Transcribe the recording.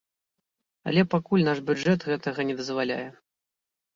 Але пакуль наш бюджэт гэтага не дазваляе.